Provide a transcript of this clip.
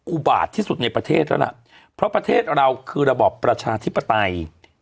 อุบาตที่สุดในประเทศแล้วล่ะเพราะประเทศเราคือระบอบประชาธิปไตย